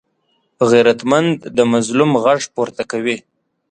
غیرتمند د مظلوم غږ پورته کوي